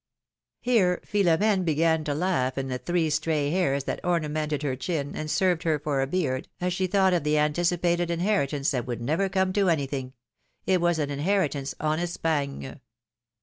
Here Philomene began to laugh in the three stray hairs that ornamented her chin and served her for a beard, as she thought of the anticipated inheritance that would never come to anything: it was an inheritance en Espagne.